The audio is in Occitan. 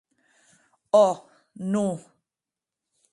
Ò!, non.